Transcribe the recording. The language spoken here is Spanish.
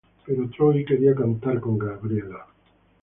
Pero Troy quería cantar con Gabriella.